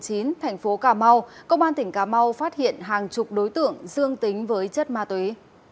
thành phố cà mau công an tỉnh cà mau phát hiện hàng chục đối tượng dương tính với chất ma túy